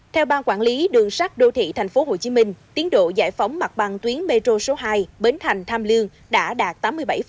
theo ban quản lý đường sắt đô thị tp hcm tiến độ giải phóng mặt bằng tuyến metro số hai bến thành tham lương đã đạt tám mươi bảy